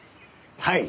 はい。